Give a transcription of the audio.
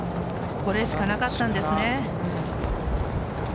これしかなかったんですね。